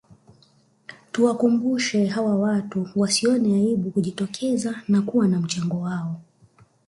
Tuwakumbushe hawa watu wasione aibu kujitokeza na kuwa na mchango wao